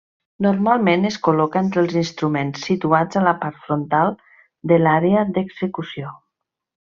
Normalment es col·loca entre els instruments situats a la part frontal de l'àrea d'execució.